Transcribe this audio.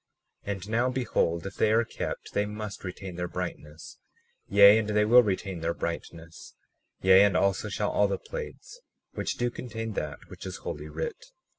37:5 And now behold, if they are kept they must retain their brightness; yea, and they will retain their brightness; yea, and also shall all the plates which do contain that which is holy writ.